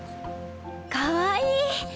かわいい！